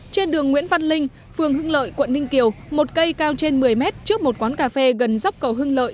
trên đường nguyễn văn linh phường hưng lợi quận ninh kiều một cây cao trên một mươi mét trước một quán cà phê gần dốc cầu hưng lợi